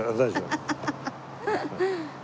ハハハハハ。